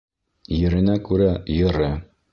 Еренә күрә йыры.